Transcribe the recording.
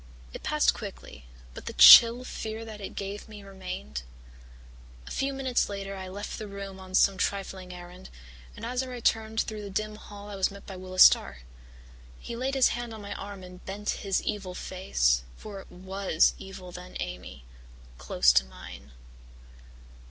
It passed quickly, but the chill fear that it gave me remained. A few minutes later I left the room on some trifling errand, and as I returned through the dim hall I was met by Willis Starr. He laid his hand on my arm and bent his evil face for it was evil then, Amy close to mine.